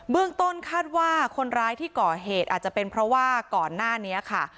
เรื่องต้นคาดว่าคนร้ายที่ก่อเหตุอาจจะเป็นเพราะว่าก่อนหน้านี้ค่ะ